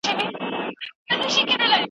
کله یوازي انتظار کول غوره رواني غبرګون دی؟